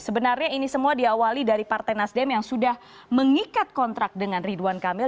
sebenarnya ini semua diawali dari partai nasdem yang sudah mengikat kontrak dengan ridwan kamil